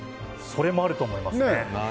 それもあると思いますね。